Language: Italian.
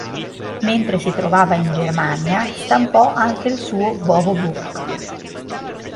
Mentre si trovava in Germania, stampò anche il suo "Bovo-Bukh".